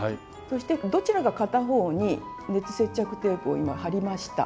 そしてどちらか片方に熱接着テープを今貼りました。